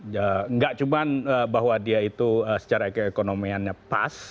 tidak cuma bahwa dia itu secara ekonomiannya pas